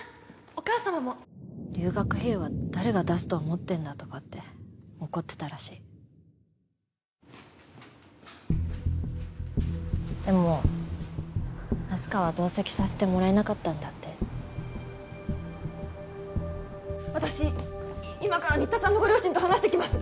お母様も留学費用は誰が出すと思ってんだとかって怒ってたらしいでもあす花は同席させてもらえなかったんだって私今から新田さんのご両親と話してきます